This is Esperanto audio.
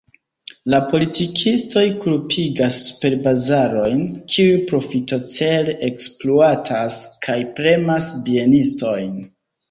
La politikistoj kulpigas superbazarojn, kiuj profitocele ekspluatas kaj premas bienistojn.